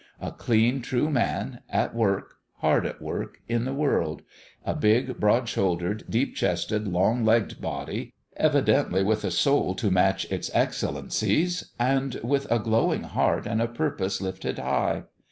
A clean, true man, at work, hard at work, in the world : a big, broad shouldered, deep chested, long legged body, evidently with a soul to match its excellencies, and with a glowing heart and a purpose lifted high.